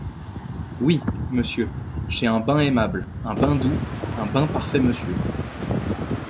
Oui, monsieur, chez un ben aimable, un ben doux, un ben parfait monsieur.